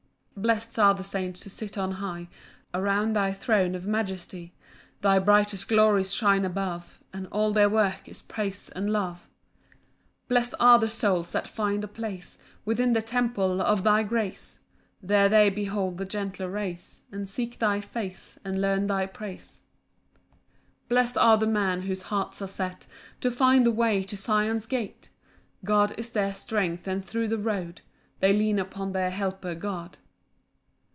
4 Blest are the saints who sit on high, Around thy throne of majesty; Thy brightest glories shine above, And all their work is praise and love. 5 Blest are the souls that find a place Within the temple of thy grace; There they behold thy gentler rays, And seek thy face, and learn thy praise. 6 Blest are the men whose hearts are set To find the way to Sion's gate; God is their strength, and thro' the road They lean upon their helper God.